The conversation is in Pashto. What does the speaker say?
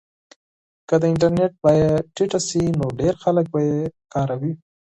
که د انټرنیټ بیه ټیټه شي نو ډېر خلک به یې کاروي.